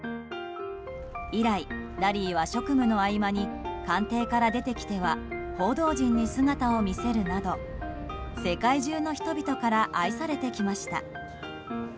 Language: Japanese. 以来、ラリーは職務の合間に官邸から出てきては報道陣に姿を見せるなど世界中の人々から愛されてきました。